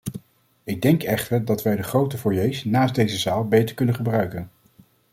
Ik denk echter dat wij de grote foyers naast deze zaal beter kunnen gebruiken.